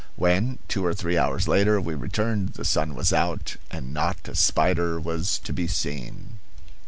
When, two or three hours later, we returned, the sun was out, and not a spider was to be seen.